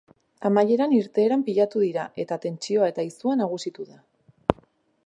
Amaieran irteeran pilatu dira eta tentsioa eta izua nagusitu da.